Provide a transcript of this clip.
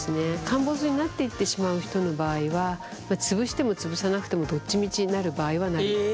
陥没になっていってしまう人の場合は潰しても潰さなくてもどっちみちなる場合はなるという。